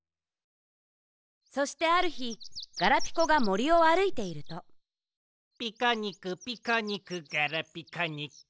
そしてあるひガラピコがもりをあるいていると「ピコニクピコニクガラピコニック」